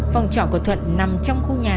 phòng trọng của thuận nằm trong khu nhà